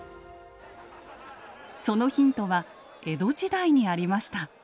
そのヒントは江戸時代にありました。